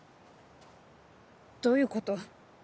どういうこと？